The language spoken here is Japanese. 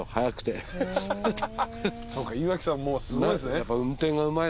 そうか岩城さんもうすごいんすね？